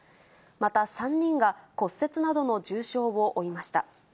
また３人が骨折などの重傷を負いました。